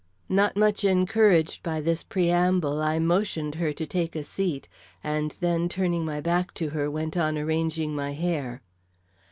Not much encouraged by this preamble, I motioned her to take a seat, and then, turning my back to her, went on arranging my hair.